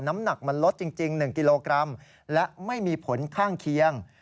น้ำหนักมันลดจริง๑กิโลกรัมและไม่มีผลข้างเคียง